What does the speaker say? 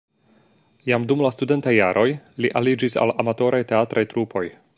Jam dum la studentaj jaroj li aliĝis al amatoraj teatraj trupoj.